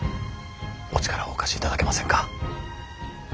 お力をお貸しいただけませんか。